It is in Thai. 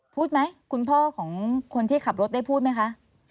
พูดไหมคุณพ่อของคนที่ขับรถได้พูดไหมคะ